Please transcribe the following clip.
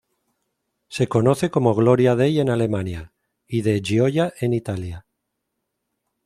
Se conoce como 'Gloria Dei' en Alemania y de 'Gioia' en Italia.